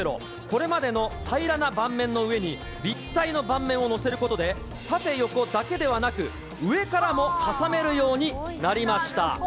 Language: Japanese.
これまでの平らな盤面の上に、立体の盤面を載せることで、縦横だけではなく、上からも挟めるようになりました。